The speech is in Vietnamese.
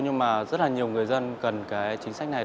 nhưng mà rất là nhiều người dân cần cái chính sách này